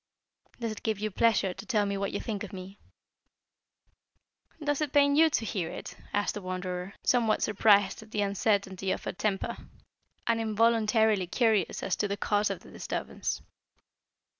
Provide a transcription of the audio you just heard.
"Does it give you pleasure to tell me what you think of me?" "Does it pain you to hear it?" asked the Wanderer, somewhat surprised at the uncertainty of her temper, and involuntarily curious as to the cause of the disturbance.